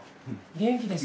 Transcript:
元気です。